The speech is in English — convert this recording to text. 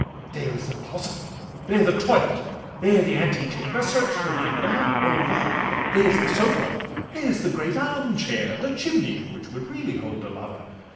'There is the closet, there the toilet, there The antechamber—search them under, over; There is the sofa, there the great arm chair, The chimney—which would really hold a lover.